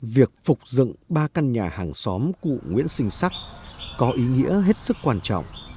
việc phục dựng ba căn nhà hàng xóm cụ nguyễn sinh sắc có ý nghĩa hết sức quan trọng